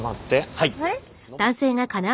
はい。